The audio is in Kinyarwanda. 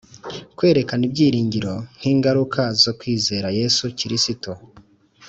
Kwerekana ibyiringiro nk'ingaruka zo kwizera Yesu Kristo.